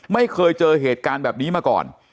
ไม่เคยเจอเหตุการณ์แบบนี้มาก่อน